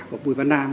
của bùi văn nam